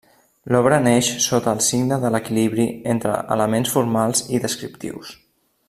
L'obra neix sota el signe de l'equilibri entre elements formals i descriptius.